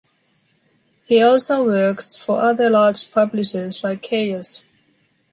He also works for other large publishers like Chaos!